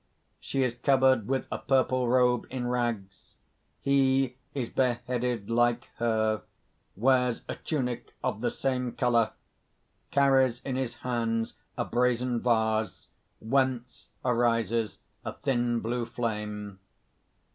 _ _She is covered with a purple robe in rags. He is bareheaded like lier, wears a tunic of the same color, and carries in his hands a brazen vase, whence arises a thin blue flame.